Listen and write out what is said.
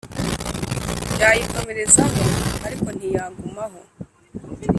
yayikomerezaho ariko ntiyagumaho